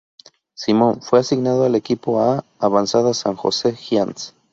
Simón fue asignado al equipo A avanzada San Jose Giants.